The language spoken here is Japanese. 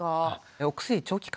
お薬長期間